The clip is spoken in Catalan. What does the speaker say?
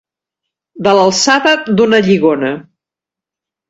De l'alçada d'una lligona.